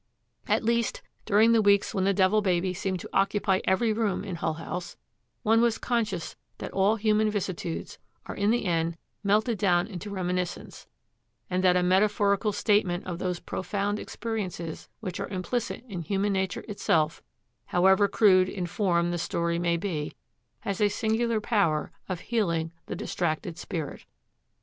At least, during the weeks when the Devil Baby seemed to occupy every room in Hull House, one was conscious that all human vicissitudes are in the end melted down into reminiscence, and that a metaphorical statement of those profound experiences which are implicit in human nature itself, however crude in form the story may be, has a singular power of healing the distracted spirit.